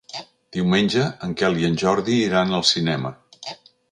Diumenge en Quel i en Jordi iran al cinema.